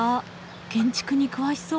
建築に詳しそう。